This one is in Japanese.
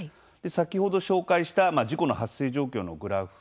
先ほど紹介した事故の発生状況のグラフ